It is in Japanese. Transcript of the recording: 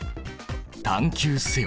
探究せよ！